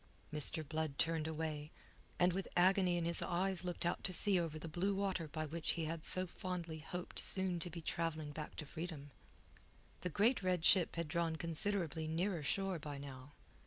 Mr. Blood turned away, and with agony in his eyes looked out to sea over the blue water by which he had so fondly hoped soon to be travelling back to freedom. The great red ship had drawn considerably nearer shore by now.